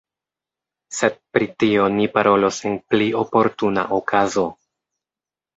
Sed pri tio ni parolos en pli oportuna okazo.